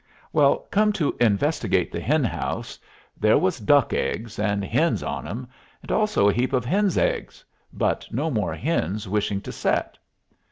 Well, come to investigate the hen house, there was duck eggs, and hens on 'em, and also a heap of hens' eggs, but no more hens wishing to set.